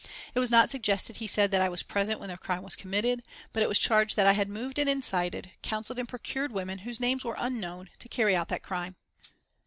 It was not suggested, he said, that I was present when the crime was committed, but it was charged that I had moved and incited, counselled and procured women whose names were unknown to carry out that crime.